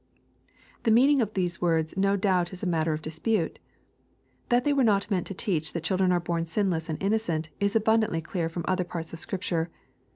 *' The meaning of these words no doubt is a matter of dispute. That they were not meant to teach that chil dren are born sinless and innocent, is abundantly clear from other parts of Scripture.